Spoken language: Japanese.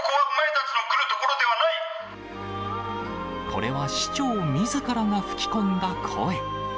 これは市長みずからが吹き込んだ声。